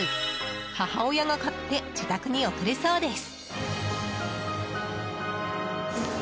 母親が買って自宅に送るそうです。